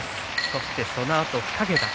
そしてそのあと２桁。